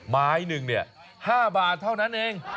ไม้หนึ่งเนี่ย๕บาทเท่านั้นเอง